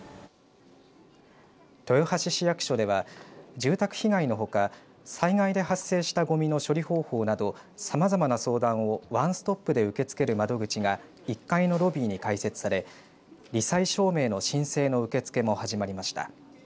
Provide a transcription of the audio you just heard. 豊橋市役所では住宅被害のほか、災害で発生したごみの処理方法などさまざまな相談をワンストップで受け付ける窓口が１階のロビーに開設されり災証明の申請の受け付けも始まりました。